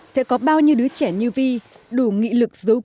sẽ có bao nhiêu đứa trẻ như vi đủ nghị lực dấu kín về bản thân